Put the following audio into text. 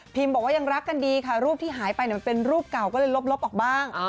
บอกว่ายังรักกันดีค่ะรูปที่หายไปมันเป็นรูปเก่าก็เลยลบออกบ้าง